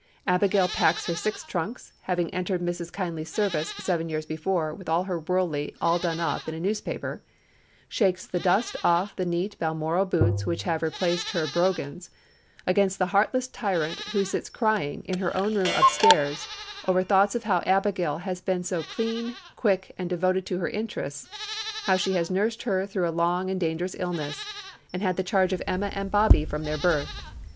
Abigail packs her six trunks, having entered Mrs. Kindly's service, seven years before, with her worldly all done up in a newspaper, shakes the dust off the neat Balmoral boots which have replaced her brogans, against the heartless tyrant who sits crying, in her own room up stairs, over thoughts of how Abigail has been so clean, quick, and devoted to her interests; how she has nursed her through a long and dangerous illness, and had the charge of Emma and Bobby from their birth.